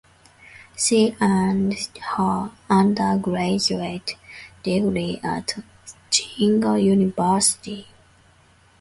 She earned her undergraduate degree at Tsinghua University.